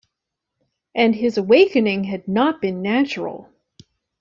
And his awakening had not been natural!